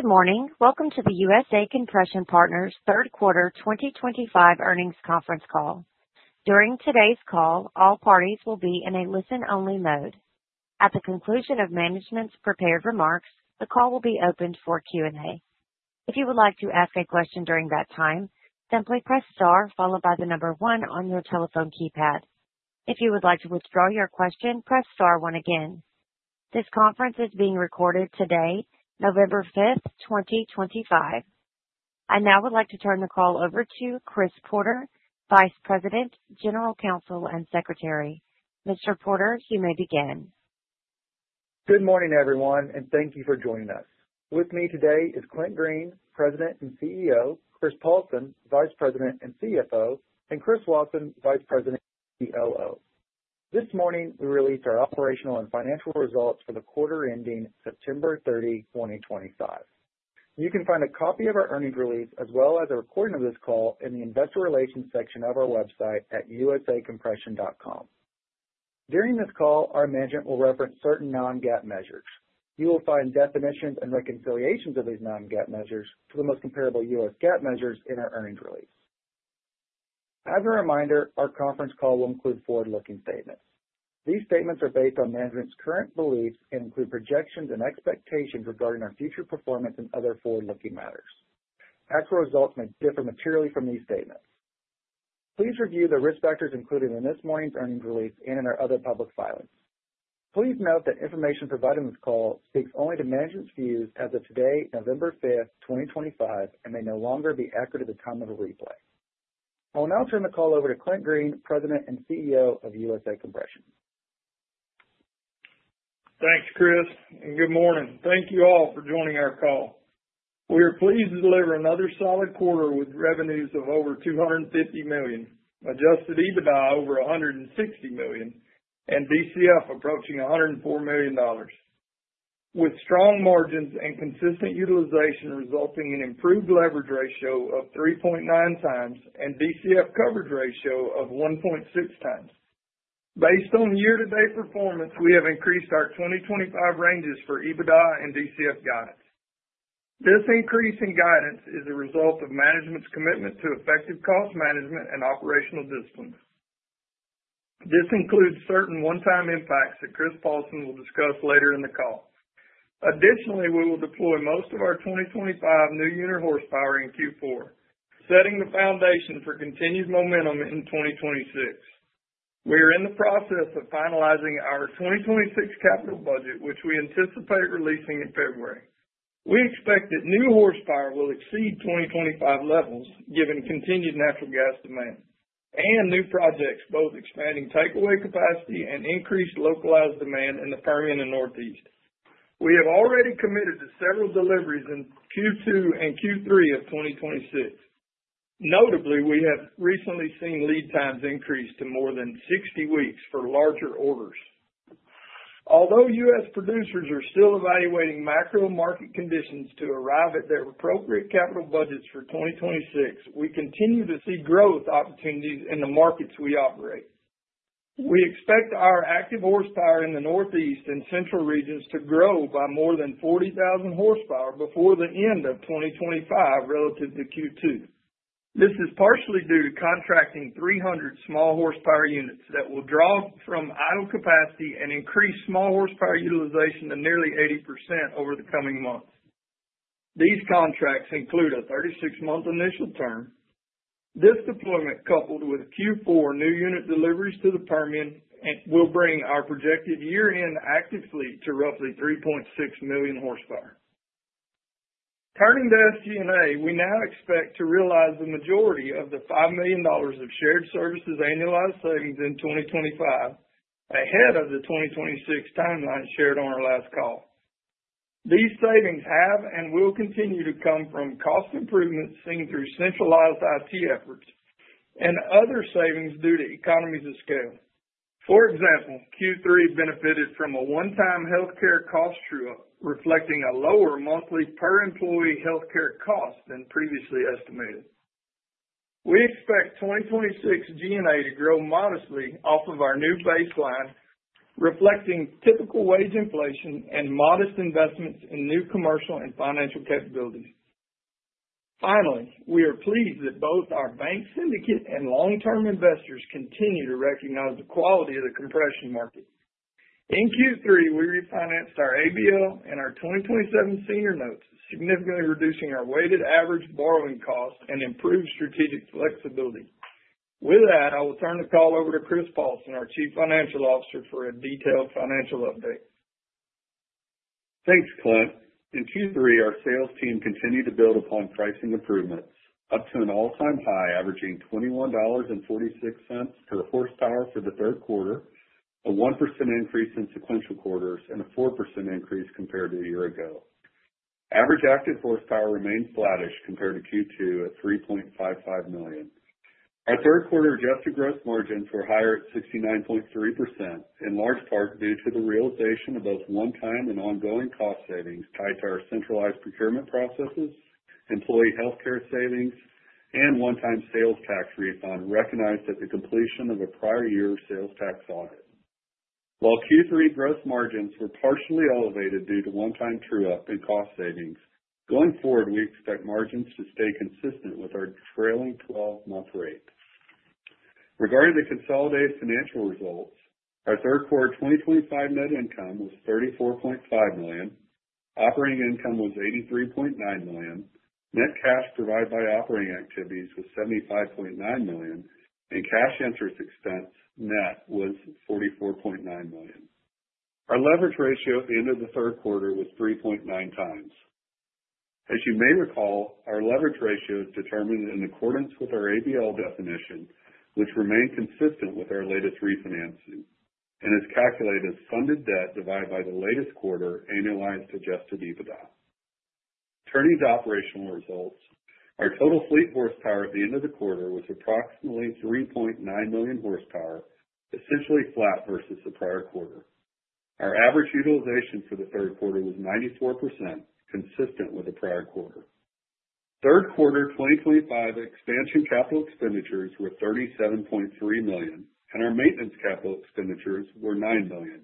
Good morning. Welcome to the USA Compression Partners' third quarter 2025 earnings conference call. During today's call, all parties will be in a listen-only mode. At the conclusion of management's prepared remarks, the call will be open for Q&A. If you would like to ask a question during that time, simply press star followed by the number one on your telephone keypad. If you would like to withdraw your question, press star one again. This conference is being recorded today, November 5th, 2025. I now would like to turn the call over to Chris Porter, Vice President, General Counsel, and Secretary. Mr. Porter, you may begin. Good morning, everyone, and thank you for joining us. With me today is Clint Green, President and CEO, Chris Paulsen, Vice President and CFO, and Chris Watson, Vice President and COO. This morning, we released our operational and financial results for the quarter ending September 30, 2025. You can find a copy of our earnings release as well as a recording of this call in the investor relations section of our website at usacompression.com. During this call, our management will reference certain non-GAAP measures. You will find definitions and reconciliations of these non-GAAP measures to the most comparable U.S. GAAP measures in our earnings release. As a reminder, our conference call will include forward-looking statements. These statements are based on management's current beliefs and include projections and expectations regarding our future performance and other forward-looking matters. Actual results may differ materially from these statements. Please review the risk factors included in this morning's earnings release and in our other public filings. Please note that information provided in this call speaks only to management's views as of today, November 5th, 2025, and may no longer be accurate at the time of the replay. I will now turn the call over to Clint Green, President and CEO of USA Compression Partners. Thanks, Chris, and good morning. Thank you all for joining our call. We are pleased to deliver another solid quarter with revenues of over $250 million, adjusted EBITDA over $160 million, and DCF approaching $104 million, with strong margins and consistent utilization resulting in improved leverage ratio of 3.9 times and DCF coverage ratio of 1.6 times. Based on year-to-date performance, we have increased our 2025 ranges for EBITDA and DCF guidance. This increase in guidance is a result of management's commitment to effective cost management and operational discipline. This includes certain one-time impacts that Chris Paulsen will discuss later in the call. Additionally, we will deploy most of our 2025 new unit horsepower in Q4, setting the foundation for continued momentum in 2026. We are in the process of finalizing our 2026 capital budget, which we anticipate releasing in February. We expect that new horsepower will exceed 2025 levels given continued natural gas demand and new projects both expanding takeaway capacity and increased localized demand in the Permian and Northeast. We have already committed to several deliveries in Q2 and Q3 of 2026. Notably, we have recently seen lead times increase to more than 60 weeks for larger orders. Although US producers are still evaluating macro market conditions to arrive at their appropriate capital budgets for 2026, we continue to see growth opportunities in the markets we operate. We expect our active horsepower in the Northeast and Central regions to grow by more than 40,000 horsepower before the end of 2025 relative to Q2. This is partially due to contracting 300 small horsepower units that will draw from idle capacity and increase small horsepower utilization to nearly 80% over the coming months. These contracts include a 36-month initial term. This deployment, coupled with Q4 new unit deliveries to the Permian, will bring our projected year-end active fleet to roughly 3.6 million horsepower. Turning to SG&A, we now expect to realize the majority of the $5 million of shared services annualized savings in 2025 ahead of the 2026 timeline shared on our last call. These savings have and will continue to come from cost improvements seen through centralized IT efforts and other savings due to economies of scale. For example, Q3 benefited from a one-time healthcare cost true-up, reflecting a lower monthly per-employee healthcare cost than previously estimated. We expect 2026 G&A to grow modestly off of our new baseline, reflecting typical wage inflation and modest investments in new commercial and financial capabilities. Finally, we are pleased that both our bank syndicate and long-term investors continue to recognize the quality of the compression market. In Q3, we refinanced our ABL and our 2027 senior notes, significantly reducing our weighted average borrowing cost and improved strategic flexibility. With that, I will turn the call over to Chris Paulsen, our Chief Financial Officer, for a detailed financial update. Thanks, Clint. In Q3, our sales team continued to build upon pricing improvements up to an all-time high averaging $21.46 per horsepower for the third quarter, a 1% increase in sequential quarters, and a 4% increase compared to a year ago. Average active horsepower remained flattish compared to Q2 at 3.55 million. Our third-quarter adjusted gross margins were higher at 69.3%, in large part due to the realization of both one-time and ongoing cost savings tied to our centralized procurement processes, employee healthcare savings, and one-time sales tax refund recognized at the completion of a prior year's sales tax audit. While Q3 gross margins were partially elevated due to one-time true-up and cost savings, going forward, we expect margins to stay consistent with our trailing 12-month rate. Regarding the consolidated financial results, our third-quarter 2025 net income was $34.5 million, operating income was $83.9 million, net cash provided by operating activities was $75.9 million, and cash interest expense net was $44.9 million. Our leverage ratio at the end of the third quarter was 3.9 times. As you may recall, our leverage ratio is determined in accordance with our ABL definition, which remained consistent with our latest refinancing and is calculated as funded debt divided by the latest quarter annualized adjusted EBITDA. Turning to operational results, our total fleet horsepower at the end of the quarter was approximately 3.9 million horsepower, essentially flat versus the prior quarter. Our average utilization for the third quarter was 94%, consistent with the prior quarter. Third quarter 2025 expansion capital expenditures were $37.3 million, and our maintenance capital expenditures were $9 million.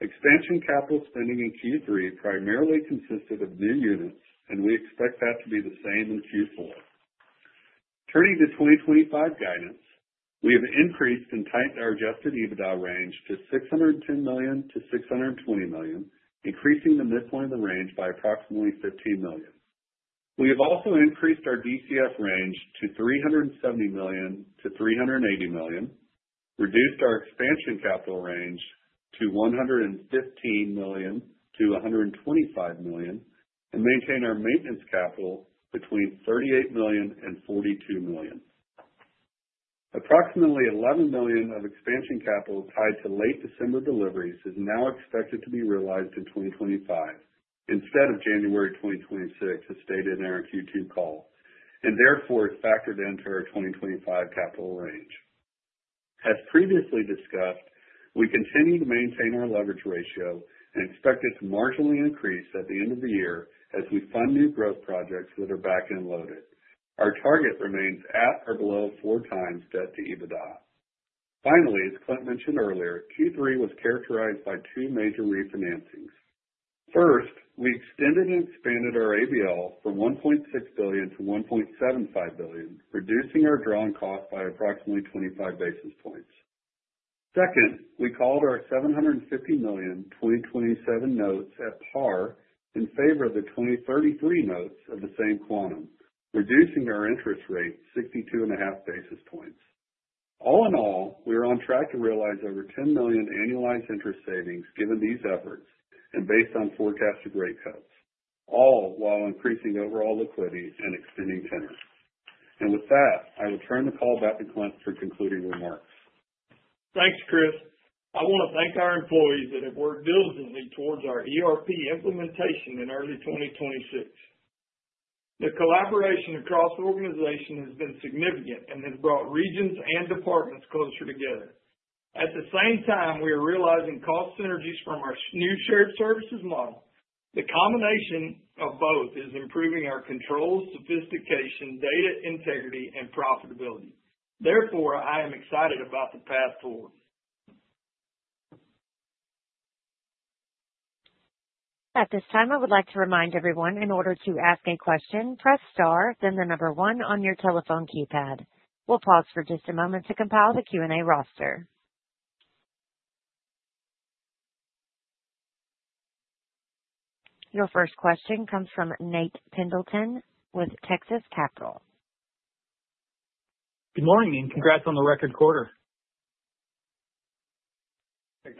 Expansion capital spending in Q3 primarily consisted of new units, and we expect that to be the same in Q4. Turning to 2025 guidance, we have increased and tightened our Adjusted EBITDA range to $610 million-$620 million, increasing the midpoint of the range by approximately $15 million. We have also increased our DCF range to $370 million-$380 million, reduced our expansion capital range to $115 million-$125 million, and maintained our maintenance capital between $38 million and $42 million. Approximately $11 million of expansion capital tied to late December deliveries is now expected to be realized in 2025 instead of January 2026, as stated in our Q2 call, and therefore is factored into our 2025 capital range. As previously discussed, we continue to maintain our leverage ratio and expect it to marginally increase at the end of the year as we fund new growth projects that are backend loaded. Our target remains at or below four times debt to EBITDA. Finally, as Clint mentioned earlier, Q3 was characterized by two major refinancings. First, we extended and expanded our ABL from $1.6 billion to $1.75 billion, reducing our drawn cost by approximately 25 basis points. Second, we called our $750 million 2027 notes at par in favor of the 2033 notes of the same quantum, reducing our interest rate 62.5 basis points. All in all, we are on track to realize over $10 million annualized interest savings given these efforts and based on forecasted rate cuts, all while increasing overall liquidity and extending tenure, and with that, I will turn the call back to Clint for concluding remarks. Thanks, Chris. I want to thank our employees that have worked diligently towards our ERP implementation in early 2026. The collaboration across organizations has been significant and has brought regions and departments closer together. At the same time, we are realizing cost synergies from our new shared services model. The combination of both is improving our control, sophistication, data integrity, and profitability. Therefore, I am excited about the path forward. At this time, I would like to remind everyone, in order to ask a question, press star, then the number one on your telephone keypad. We'll pause for just a moment to compile the Q&A roster. Your first question comes from Nate Pendleton with Texas Capital. Good morning and congrats on the record quarter.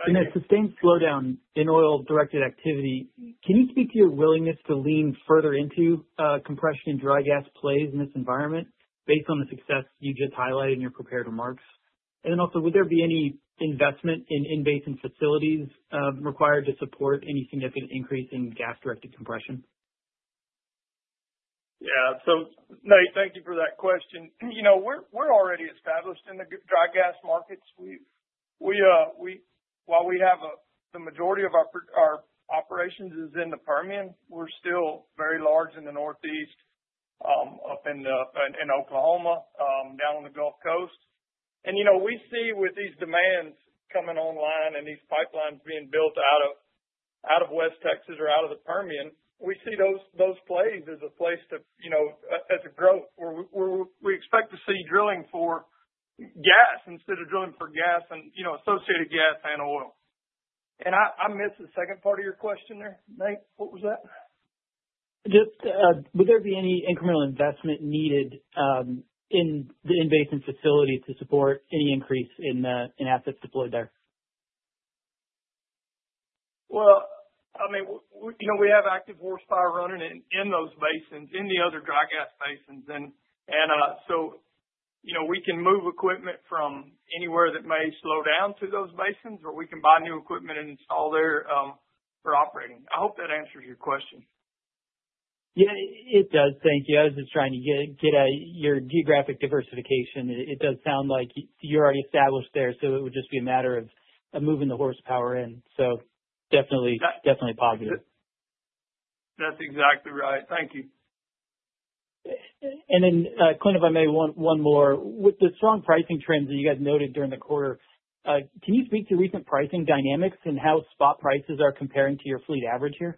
In a sustained slowdown in oil-directed activity, can you speak to your willingness to lean further into compression and dry gas plays in this environment based on the success you just highlighted in your prepared remarks? And then also, would there be any investment in in-basin and facilities required to support any significant increase in gas-directed compression? Yeah. So Nate, thank you for that question. You know, we're already established in the dry gas market. While we have the majority of our operations in the Permian, we're still very large in the Northeast, up in Oklahoma, down on the Gulf Coast. And you know, we see with these demands coming online and these pipelines being built out of West Texas or out of the Permian, we see those plays as a place to, you know, as a growth where we expect to see drilling for gas instead of drilling for gas and, you know, associated gas and oil. And I missed the second part of your question there, Nate. What was that? Just, would there be any incremental investment needed in the infrastructure and facilities to support any increase in assets deployed there? Well, I mean, you know, we have active horsepower running in those basins, in the other dry gas basins. And so, you know, we can move equipment from anywhere that may slow down to those basins, or we can buy new equipment and install there for operating. I hope that answers your question. Yeah, it does. Thank you. I was just trying to get at your geographic diversification. It does sound like you're already established there, so it would just be a matter of moving the horsepower in. So definitely, definitely positive. That's exactly right. Thank you. And then, Clint, if I may, one more. With the strong pricing trends that you guys noted during the quarter, can you speak to recent pricing dynamics and how spot prices are comparing to your fleet average here?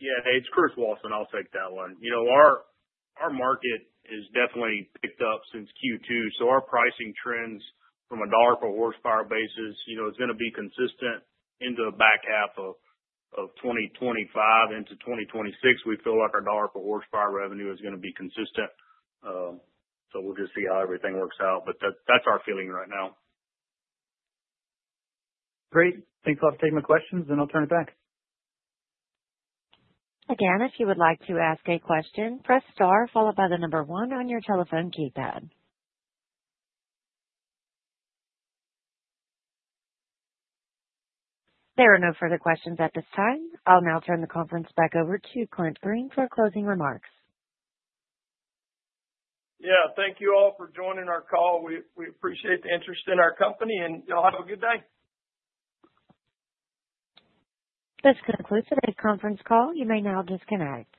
Yeah, Nate, it's Chris Wauson. I'll take that one. You know, our market has definitely picked up since Q2, so our pricing trends from a dollar per horsepower basis, you know, is going to be consistent into the back half of 2025 into 2026. We feel like our dollar per horsepower revenue is going to be consistent. So we'll just see how everything works out, but that's our feeling right now. Great. Thanks a lot for taking my questions, and I'll turn it back. Again, if you would like to ask a question, press star followed by the number one on your telephone keypad. There are no further questions at this time. I'll now turn the conference back over to Clint Green for closing remarks. Yeah, thank you all for joining our call. We appreciate the interest in our company, and y'all have a good day. This concludes today's conference call. You may now disconnect.